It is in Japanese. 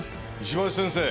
石橋先生